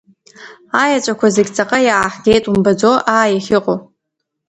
Аеҵәақәа зегь ҵаҟа иааҳгет, умбаӡо, аа иахьыҟо!